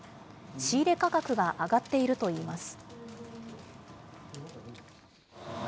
仕入れ価格が上がっているといいます。